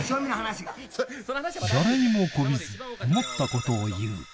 誰にもこびず、思ったことを言う。